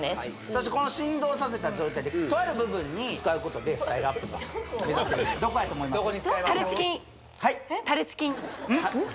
そしてこの振動させた状態でとある部分に使うことでスタイルアップになるどこやと思います？